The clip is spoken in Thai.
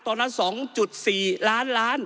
ตอนนั้น๒๔ล้านล้าน